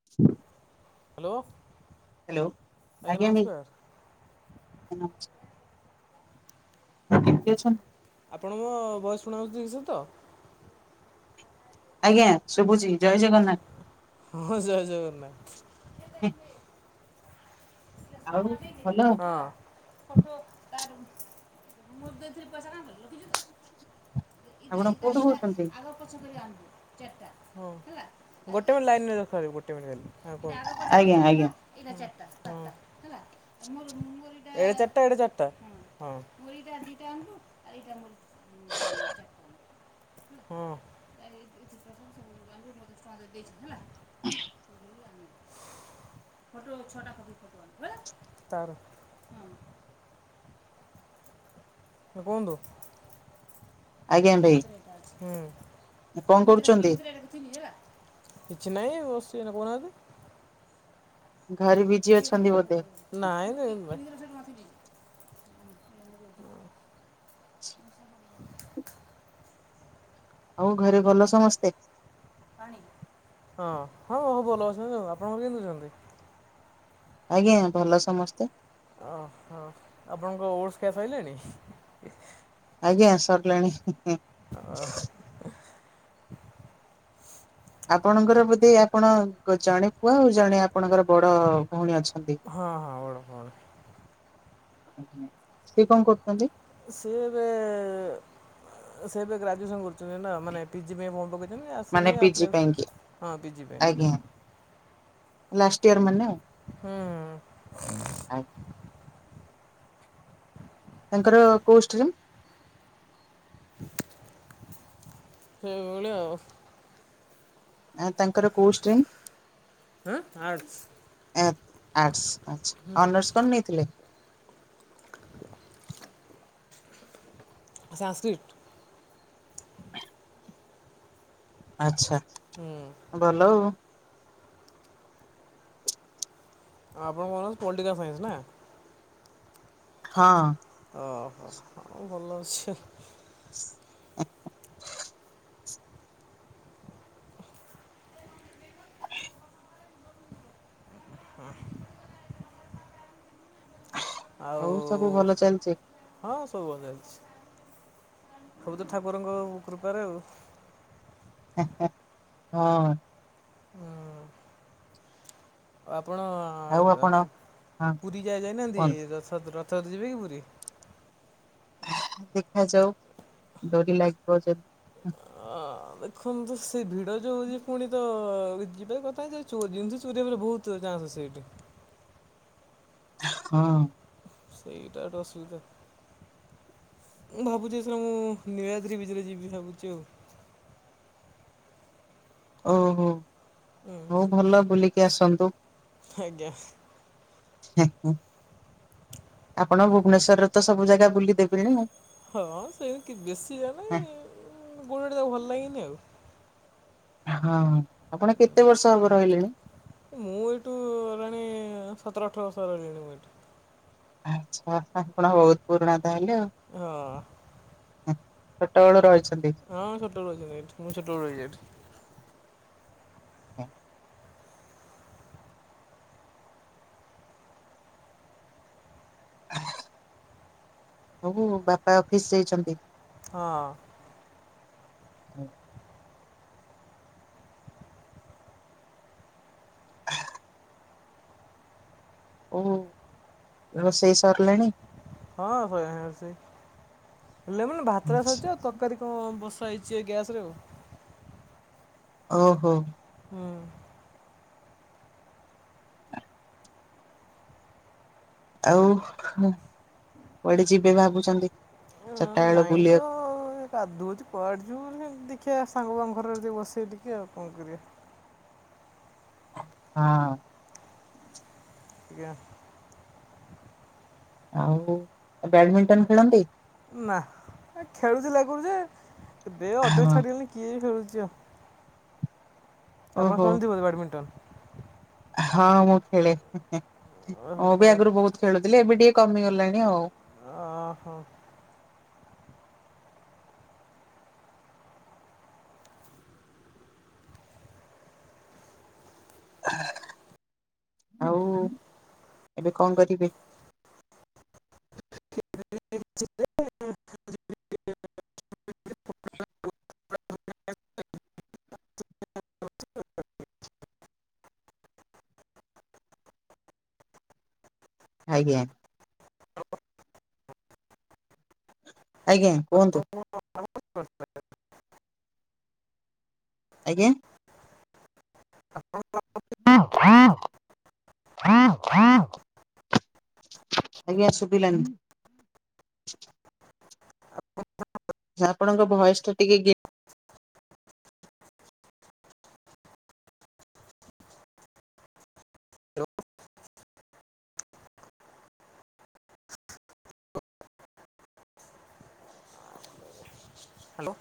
ହ [inaudible] hello. Hello ଆଜ୍ଞା ଭାଇ ନମସ୍କାର। କେମିତି ଅଛନ୍ତି? ଆପଣଙ୍କ ଭଏସ୍ ଶୁଣା ଯାଉଛି [unintelligible] ଆଜ୍ଞା ଶୁଭୁଛି ଜୟ ଜଗନ୍ନାଥ। ହଁ ଜୟ ଜଗନ୍ନାଥ। ଆଉ ଭଲ? ହଁ। ଇଟା ଆପଣ ଏଇଟା କୋଉଠୁ ଇଟା କହୁଛନ୍ତି? ଆଗ ହଁ ଗୋଟେ ମିନିଟ ଲାଇନରେ ରଖ ଭାଇ ଗୋଟେ ମିନିଟ ହଁ କହ। ହୁଁ ହୁଁ। ଏଇଟା ଆଜ୍ଞା ଆଜ୍ଞା ଚାରିଟା ଏଇଟା ଚାରିଟା ହଁ। ହୁଁ। ହଁ ଫୋଟୋ ଛଟା ଖଟି ଫୋଟୋ ହେଲା ତାର। ହଁ ହଁ କୁହନ୍ତୁ ଆଜ୍ଞା ଭାଇ ହୁଁ। କିଛି କଣ ନାଇଁ କରୁଛନ୍ତି? ଏ ବସିଛି ଏଇନେ କହୁନାହାନ୍ତି। ଘରେ ବିଜି ଅଛନ୍ତି ନାଇଁ ବୋଧେ ନାଇଁ [unintelligible] ଆଉ ଘରେ ଭଲ ସମସ୍ତେ? ହଁ ହଁ ହଉ ଭଲ ଅଛନ୍ତି ଆପଣଙ୍କର କେମିତି ଅଛନ୍ତି? ଆଜ୍ଞା ଭଲ ସମସ୍ତେ। ଓ ହଁ ଆପଣଙ୍କ ଓଡସ୍ ସଇଲାଣି? ହ ଆଜ୍ଞା ସରିଲାଣି ହିଁ। ଅହଂ ଆପଣଙ୍କର ବୋଧେ ଆପଣ ଜଣେ ପୁଅ ଆଉ ଜଣେ ଆପଣଙ୍କର ବଡ଼ ଭଉଣୀ ଅଛନ୍ତି ହଁ ହଁ ବଡ଼ ସିଏ କଣ କରୁଛନ୍ତି? ସିଏ ଏବେ ସେ ଏବେ ଗ୍ରାଜୁଏସନ୍ କରୁଛନ୍ତି ନା ମାନେ ପି ଜି ପାଇଁ ଫମ୍ ପକେଇ ନାଇଁ ନାଇଁ ମାନେ ଆସିନି ପିଜି ଆପ୍ଲାଏ ପାଇଁକି ହଁ ପି ଜିି ପାଇଁ ଆଜ୍ଞା ଲାଷ୍ଟ ଇୟର ମାନେ ହୁଁ। ଆଉ ତାଙ୍କର କୋଉ ଷ୍ଟ୍ରିମ? ସେଇ ଭଳିଆ ଆଉ। ଆ ତାଙ୍କର କୋଉ ଷ୍ଟ୍ରିମ? ହଁ ଆର୍ଟସ୍ ଆ ଆଚ୍ଛା ଅନର୍ସ କଣ ନେଇଥିଲେ? ସେ ଆସୁ ଆଚ୍ଛା। ହୁଁ। ଭଲ ଆଉ ଆପଣଙ୍କ କଣ ପଲିଟାଲ୍ ସାଇନ୍ସ ନା? ହଁ। ଅହଁ ଭଲ ଅଛି। ହଁ। ସବୁ ଭଲ ଚାଲିଛି ଆଉ ହଁ ସବୁଭଲ ଅଛି ସବୁତ ଠାକୁରଙ୍କ କୃପାରେ ଆଉ। ହେ ହେ ହଁ। ଆଉ ଆପଣ ଆଉ ଆପଣ ପୁ ହଁ ପୁରୀ ଯାହା ଯାଇନାହାନ୍ତି, କୁହନ୍ତୁ ରଥ ରଥତ୍ ଯିବେ କି ପୁରୀ? ଦେଖାଯାଉ ଡୋରି ଲାଗିବ ଯଦି ଅ ଦେଖନ୍ତୁ ସେଇ ଭିଡ ଯୋଉ ହଉଛି ପୁଣି ତ ଯିବା କ [unintelligible] ଚୋ ଜିନଷ ଚୋରି ହେଲେ ବହୁତ ଚାନ୍ସ ସେଇଠି। ହଁ। ସେଇଟାତ ଅସୁବିଧା। ମୁଁ ଭାବୁଛି ସାର୍ ମୁଁ ନୀଳାଦ୍ରି ବିଜେରେ ଯିବି ଭାବୁଛି ଆଉ। ଓହୋ ହଉ ହୁଁ ଭଲ ବୁଲିକି ଆସନ୍ତୁ। ଆଜ୍ଞା। ଆଜ୍ଞା ଆପଣ ଭୁବନେଶ୍ୱର ରେ ତ ସବୁ ଜାଗା ବୁଲି ଦେବେଣି ଆଉ। ହଁ ସେମିତି କି ବେଶୀ ଯା ନାହିଁ ହେଁ, ଗୋଟେ ଗୋଟେ ଜାଗା ଭଲ ଲାଗେନି ଆଉ। ହଁ ଆପଣ କେତେ ବର୍ଷ ହେବ ରହିଲେଣି? ମୁଁ ଏଇଠୁ ହେଲାଣି ସତର ଅଠର ବର୍ଷ ରହିଲଲିଣି ମୁଁ ଏଇଠୁ। ଆଚ୍ଛା ଆପଣ ବହୁତ ପୁରୁଣା ତାହେଲେ ଆଉ। ହଁ। ଛୋଟବେଳୁ ରହିଛନ୍ତି। ହଁ ଛୋଟବେଳୁ ରଇଚନ୍ତି ଏଠି ମୁଁ ଛୋଟବେଳୁ ରହିଛି ଏଠି। ହଁ। [unintelligible] ବାପା ଅଫିସ ଯାଇଛନ୍ତି। ହଁ। [inaudible] ଓହ ରୋଷେଇ ସରିଲାଣି। ହଁ ସଇଲାଣି ରୋଷେଇ ଲେ ମେନ୍ ଭାତଟା ସରିଚି ଆଉ ତ ରକାରି କଣ ବଷାହେଇଛି ଏଇ ଗ୍ୟାସରେ ଆଉ। ଓହୋ। ହୁଁ। ଆଉ କୁଆଡେ ଯିବେ ଭାବୁଛନ୍ତି। ଚାରିଟା ବେଳେ ଏବେ ବୁଲିବାକୁ? ଆଉ ଗାଧୋଉଛି କୁଆଡ଼ ଯିବୁ ଏଇନା ଦେଖିଆ ସାଙ୍ଗ ବାଙ୍କ ଘର ଟିକେ ବସି ଟିକେ ଆଉ କଣ କରିବା। ହଁ। ଆଜ୍ଞା। ଆଉ ବ୍ୟାଡମିଣ୍ଟନ ଖେଳନ୍ତି। ନା ଏ ଖେଳୁଥିଲି ଆଗରୁ ଯେ ଏବେ ହଁ ଅଭ୍ୟାସ ଛାଡିଗଲାଣି କିଏ ଖେଳୁଛି ଆଉ। ଆପଣ ଓହୋ ଖେଳନ୍ତି ବଧେ ବ୍ୟାଡମିଣ୍ଟନ। ହଁ ମୁଁ ଖେଳେ [inaudible] ମୁଁ ଓହୋ ବି ଆଗରୁ ବହୁତ ଖେଳୁଥିଲି ଏବେ ଟିକେ କମିଗଲାଣି ଆଉ। ଓହୋ। ଆଉ ଏବେ କଣ କରିବେ। [unintelligible] ଆଜ୍ଞା। ଆଜ୍ଞା କୁହନ୍ତୁ। ଆଜ୍ଞା। [unintelligible] [inaudible] ଆଜ୍ଞା ଶୁଭିଲାନି। ସେ ଆପଣଙ୍କ ବୟସ ଟା ଟିକେ ଗେ ହ୍ୟାଲୋ